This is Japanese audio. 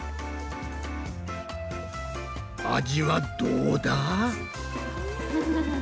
味はどうだ？